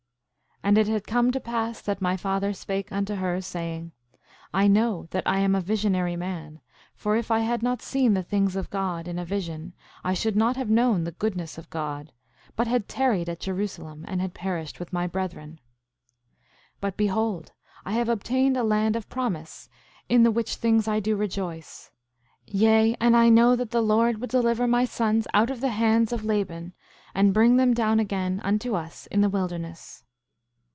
5:4 And it had come to pass that my father spake unto her, saying: I know that I am a visionary man; for if I had not seen the things of God in a vision I should not have known the goodness of God, but had tarried at Jerusalem, and had perished with my brethren. 5:5 But behold, I have obtained a land of promise, in the which things I do rejoice; yea, and I know that the Lord will deliver my sons out of the hands of Laban, and bring them down again unto us in the wilderness.